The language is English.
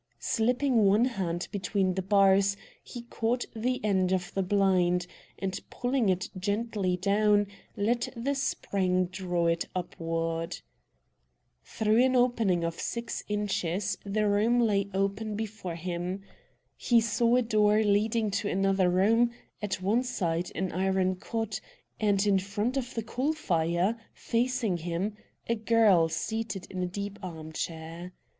Slipping one hand between the bars he caught the end of the blind, and, pulling it gently down, let the spring draw it upward. Through an opening of six inches the room lay open before him. He saw a door leading to another room, at one side an iron cot, and in front of the coal fire, facing him, a girl seated in a deep arm chair.